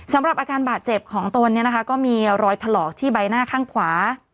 สำหรับอาการบาดเจ็บของตนเนี่ยนะคะก็มีรอยถลอกที่ใบหน้าข้างขวา